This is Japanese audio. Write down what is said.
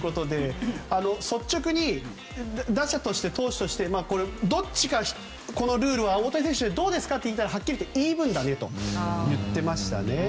率直に打者として投手としてどっちか、このルールは大谷選手どうですかって聞いたらはっきりとイーブンだねと言ってましたね。